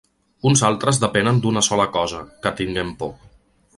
Uns altres depenen d’una sola cosa: que tinguem por.